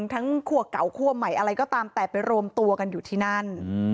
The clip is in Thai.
คั่วเก่าคั่วใหม่อะไรก็ตามแต่ไปรวมตัวกันอยู่ที่นั่น